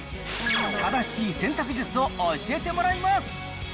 正しい洗濯術を教えてもらいます。